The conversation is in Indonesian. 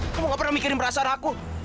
kamu nggak pernah mikirin perasaan aku